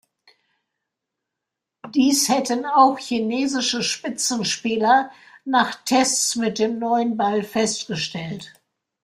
Dies hätten auch chinesische Spitzenspieler nach Tests mit dem neuen Ball festgestellt.